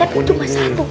iya boleh begini ya